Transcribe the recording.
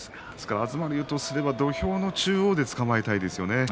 東龍とすれば土俵の中央でつかまえたいですよね。